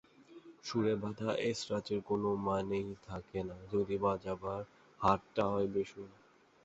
সুরে-বাঁধা এসরাজের কোনো মানেই থাকে না যদি বাজাবার হাতটা হয় বেসুরো।